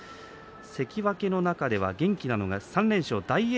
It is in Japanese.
関脇の中では元気なのが３連勝、大栄